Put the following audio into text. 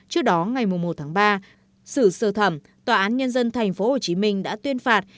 trước đó ngày một tháng ba xử sơ thẩm tòa án nhân dân tp hcm đã tuyên phạt